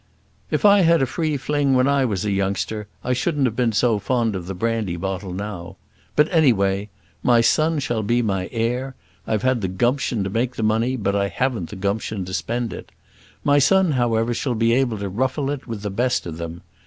"If I'd had a free fling when I was a youngster, I shouldn't have been so fond of the brandy bottle now. But any way, my son shall be my heir. I've had the gumption to make the money, but I haven't the gumption to spend it. My son, however, shall be able to ruffle it with the best of them.